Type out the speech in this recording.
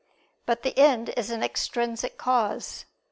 But the end is an extrinsic cause.